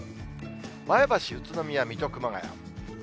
前橋、宇都宮、水戸、熊谷。